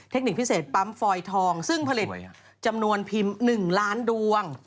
เทคนิคพิเศษปั๊มฟอยทองซึ่งผลิตจำนวนพิมพ์๑ล้านดวง